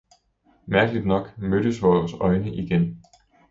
Mærkeligt nok mødtes vore øjne igen.